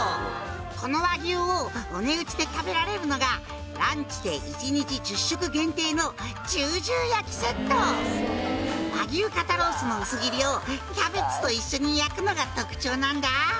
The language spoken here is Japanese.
「この和牛をお値打ちで食べられるのが１日」「和牛肩ロースの薄切りをキャベツと一緒に焼くのが特徴なんだ！」